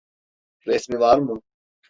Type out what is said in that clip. Resmi var mı?